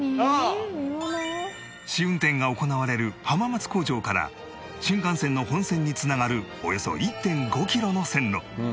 試運転が行われる浜松工場から新幹線の本線に繋がるおよそ １．５ キロの線路